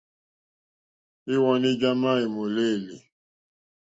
Íwɔ̌ní já má èmòlêlì.